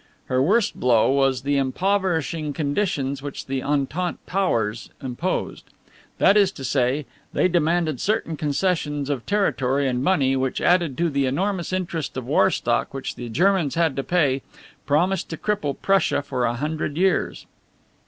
Her worst blow was the impoverishing conditions which the Entente Powers imposed. That is to say, they demanded certain concessions of territory and money which, added to the enormous interest of war stock which the Germans had to pay, promised to cripple Prussia for a hundred years."